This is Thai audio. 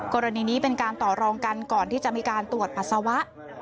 กรณีนี้เป็นการต่อรองกันก่อนที่จะมีการตรวจปัสสาวะ